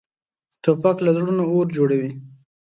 توپک له زړونو اور جوړوي.